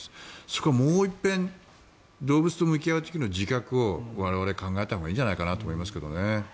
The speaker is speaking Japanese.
そこをもう一遍動物と向き合う時の自覚を我々、考えたほうがいいのかなって感じますけどね。